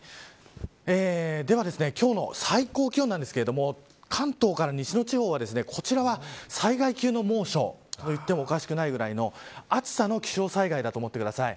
では、今日の最高気温ですが関東から西の地方はこちらは災害級の猛暑といってもおかしくないぐらいの暑さの気象災害だと思ってください。